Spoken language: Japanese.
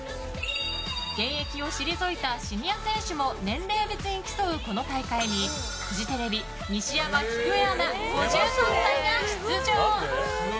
現役を退いた選手も競うこの大会にフジテレビ西山喜久恵アナ、５３歳が出場。